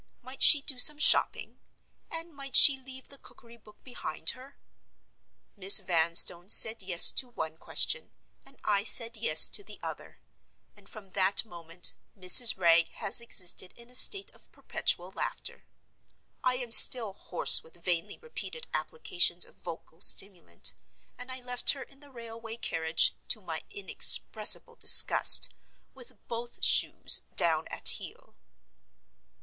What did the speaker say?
Might she do some shopping? and might she leave the cookery book behind her? Miss Vanstone said Yes to one question, and I said Yes to the other—and from that moment, Mrs. Wragge has existed in a state of perpetual laughter. I am still hoarse with vainly repeated applications of vocal stimulant; and I left her in the railway carriage, to my inexpressible disgust, with both shoes down at heel.